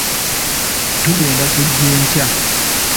Tugenda kujja enkya.